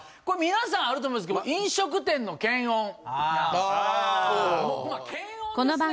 これみなさんあると思うんですけど飲食店の検温。